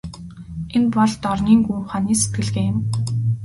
Энэ бол дорнын гүн ухааны сэтгэлгээ юм.